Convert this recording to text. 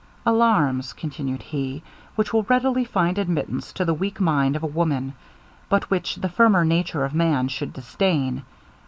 'Alarms,' continued he, 'which will readily find admittance to the weak mind of a woman, but which the firmer nature of man should disdain.